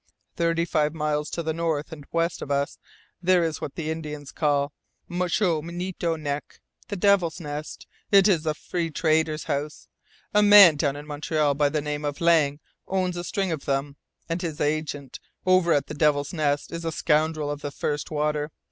"Thirty five miles to the north and west of us there is what the Indians call 'Muchemunito Nek' the Devil's Nest. It's a Free Trader's house. A man down in Montreal by the name of Lang owns a string of them, and his agent over at the Devil's Nest is a scoundrel of the first water.